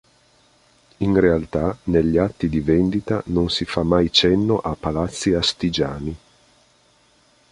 In realtà negli atti di vendita non si fa mai cenno a palazzi astigiani.